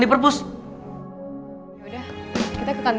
nasi rames doang